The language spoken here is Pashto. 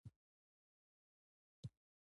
پکورې له خور سره ناستې خوند راولي